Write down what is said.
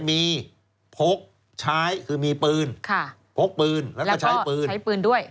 มีพกใช้คือมีปืนพกปืนแล้วก็ใช้ปืนใช้ปืนด้วย